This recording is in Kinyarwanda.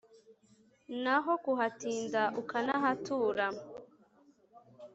n’aho kuhatinda ukanahatura